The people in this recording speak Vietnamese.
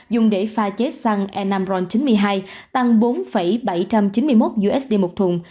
dùng để pha chế xăng e năm ron chín mươi hai tăng bốn bảy trăm chín mươi một usd một thùng